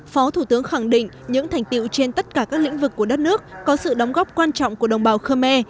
phó thủ tướng khẳng định những thành tiệu trên tất cả các lĩnh vực của đất nước có sự đóng góp quan trọng của đồng bào khơ me